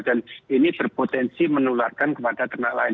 dan ini berpotensi menularkan kepada ternak lain